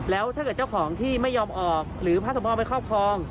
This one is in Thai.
แล้วถ้าเกิดเจ้าของที่ไม่ยอมออกหรือพระสมพรไปครอบครอง